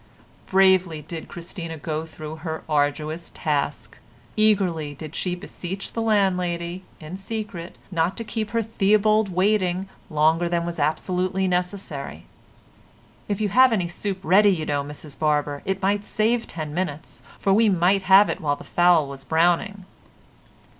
Bravely did Christina go through her arduous task. Eagerly did she beseech the landlady, in secret, not to keep her Theobald waiting longer than was absolutely necessary. "If you have any soup ready, you know, Mrs Barber, it might save ten minutes, for we might have it while the fowl was browning."